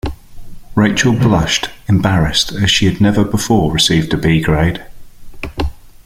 Rachel blushed, embarrassed, as she had never before received a B grade.